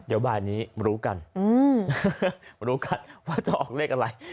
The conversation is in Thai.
เดี๋ยวบ่ายนี้รู้กันรู้กันว่าจะออกเลขอะไร